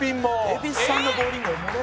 「蛭子さんのボウリングおもろ！」